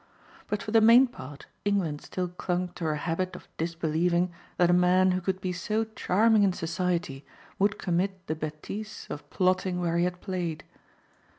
But for the main part England still clung to her habit of disbelieving that a man who could be so charming in society would commit the betise of plotting where he had played.